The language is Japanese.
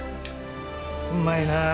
うまいなあ。